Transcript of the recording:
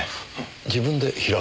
自分で開く？